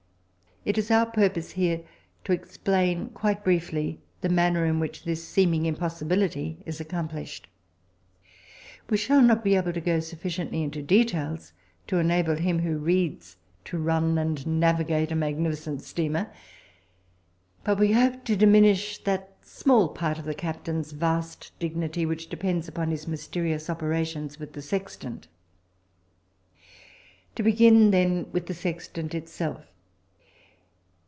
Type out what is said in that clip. It is our purpose here to explain quite briefly the manner in which this seeming impossibility is accomplished. We shall not be able to go sufficiently into details to enable him who reads to run and navigate a magnificent steamer. But we hope to diminish somewhat that small part of the captain's vast dignity which depends upon his mysterious operations with the sextant. To begin, then, with the sextant itself.